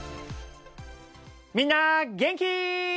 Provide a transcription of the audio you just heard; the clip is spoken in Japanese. みんな、元気？